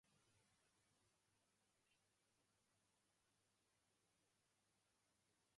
Again, the blank space lacks specific directions, so we cannot accurately fill it in.